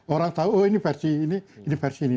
orang tahu oh ini versi ini ini versi ini